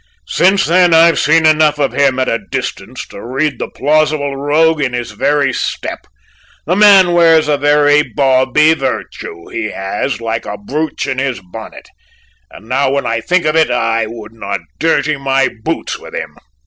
Since then I've seen enough of him at a distance to read the plausible rogue in his very step. The man wears every bawbee virtue he has like a brooch in his bonnet; and now when I think of it, I would not dirty my boots with him."